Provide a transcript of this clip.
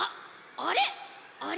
あれあれ？